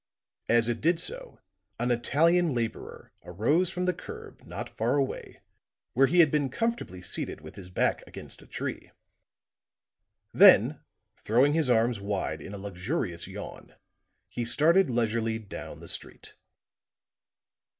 As it did so, an Italian laborer arose from the curb not far away where he had been comfortably seated with his back against a tree; then throwing his arms wide in a luxurious yawn, he started leisurely down the street.